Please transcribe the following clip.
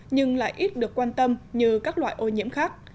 nhưng lại ít được quan tâm như các loại ô nhiễm khác